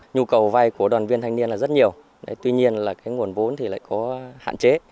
nhu cầu vay của đoàn viên thanh niên là rất nhiều tuy nhiên là cái nguồn vốn thì lại có hạn chế